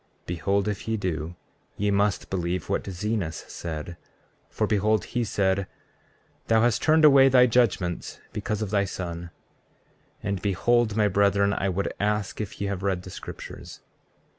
33:13 Behold, if ye do, ye must believe what Zenos said; for, behold he said: Thou hast turned away thy judgments because of thy Son. 33:14 Now behold, my brethren, I would ask if ye have read the scriptures?